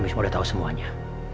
aku langsung ke kelas ya